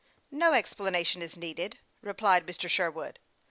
" No explanation is needed," replied Mr. Sherwood.